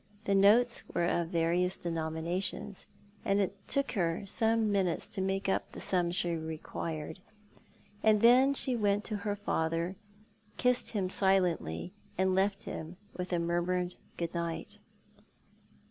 The notes were of various denominations, and it took her some minutes to make up the sum she required ; and then she went to her father, kissed him silently, and left him with a murmured good night.